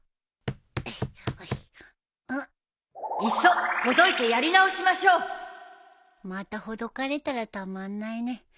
いっそほどいてやり直しましょうまたほどかれたらたまんないね。